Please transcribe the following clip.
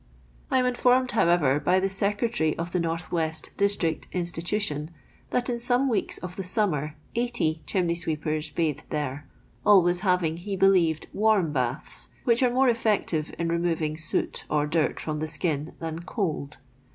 I am informed, however, by the secretary of the north west district institution, that in some weeks of the summer 80 chimney sweepers bathed there ; always having, he believed, warm baths, which are more effective in removing soot or dirt from the skin than cold.